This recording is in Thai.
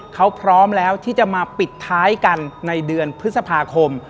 เขาพร้อมแล้วที่จะมาปิดท้ายกันในเดือนพฤษภาคม